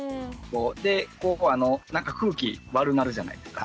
で空気悪なるじゃないですか。